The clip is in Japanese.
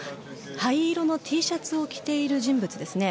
灰色のＴシャツを着ている人物ですね。